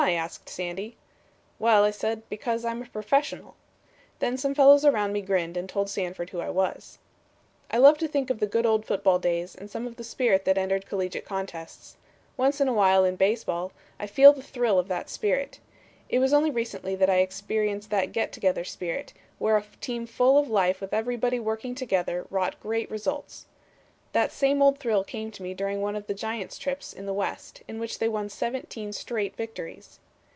asked Sandy. "'Well," I said, 'because I'm a professional.' Then some fellows around me grinned and told Sanford who I was. "I love to think of the good old football days and some of the spirit that entered collegiate contests. Once in a while, in baseball, I feel the thrill of that spirit. It was only recently that I experienced that get together spirit, where a team full of life with everybody working together wrought great results. That same old thrill came to me during one of the Giants' trips in the West in which they won seventeen straight victories.